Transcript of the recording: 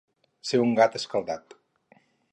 Ser un gat escaldat.